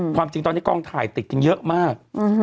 ความจริงตอนนี้กองถ่ายติดกันเยอะมาก